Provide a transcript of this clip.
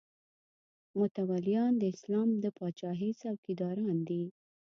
متولیان د اسلام د پاچاهۍ څوکیداران دي.